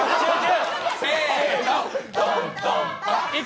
集中！